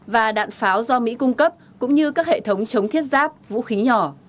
và đạn pháo do mỹ cung cấp cũng như các hệ thống chống thiết giáp vũ khí nhỏ